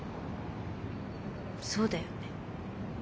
そうだよね。